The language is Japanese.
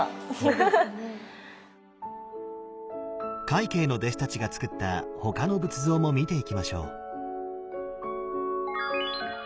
快慶の弟子たちがつくった他の仏像も見ていきましょう。